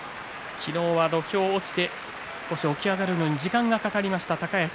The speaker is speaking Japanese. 昨日は土俵から落ちて少し起き上がるのに時間がかかりました高安。